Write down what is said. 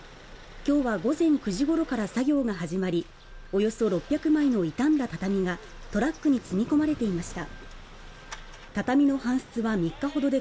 今日は午前９時ごろから作業が始まり、およそ６００枚の傷んだ畳がトラックに積み込まれていました。